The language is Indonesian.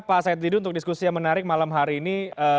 pak said didu untuk diskusi yang menarik malam hari ini